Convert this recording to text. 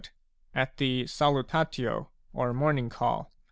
e At the 8alutaho, or morning call.